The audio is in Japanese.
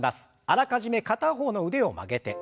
あらかじめ片方の腕を曲げて。